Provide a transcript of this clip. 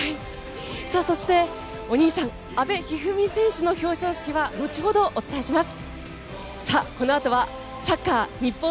そして、お兄さん阿部一二三選手の表彰式は後ほどお伝えします。